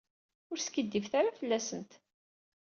Ur skiddibet ara fell-asent.